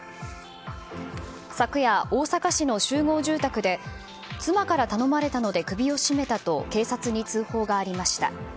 昨夜、大阪市の集合住宅で妻から頼まれたので首を絞めたと警察に通報がありました。